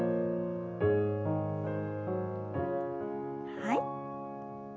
はい。